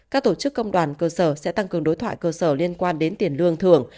các tổ chức công đoàn cơ sở sẽ tăng cường đối thoại cơ sở liên quan đến tiền lương thưởng